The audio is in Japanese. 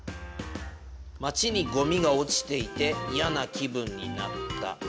町にゴミが落ちていていやな気分になった。